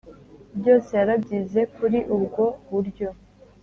byose yarabyize kuri ubwo buryo.